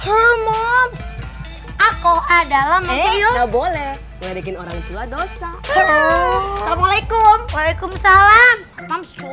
aku adalah mau boleh orang tua dosa waalaikum waalaikum salam